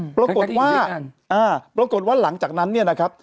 ปรากฏว่าปรากฏว่าหลังจากนั้นเนี่ยนะครับ